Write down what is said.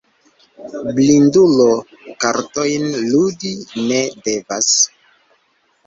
Blindulo kartojn ludi ne devas.